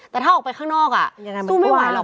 แต่ถ้าออกไปข้างนอกสู้ไม่ไหวหรอก